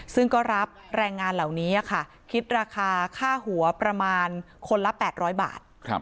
ซึ่งก็รับแรงงานเหล่านี้ค่ะคิดราคาค่าหัวประมาณคนละ๘๐๐บาท